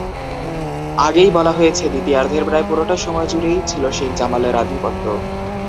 আগেই বলা হয়েছে, দ্বিতীয়ার্ধের প্রায় পুরোটা সময় জুড়েই ছিল শেখ জামালের আধিপত্য।